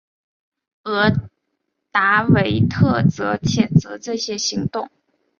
而达维特则谴责这些行动。